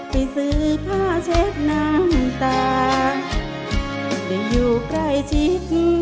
ไปซื้อผ้าเช็ดน้ำตาได้อยู่ใกล้ชิด